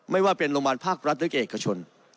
ไม่ว่าเป็นโรงพยาบาลภาครัฐหรือแก่เอกชน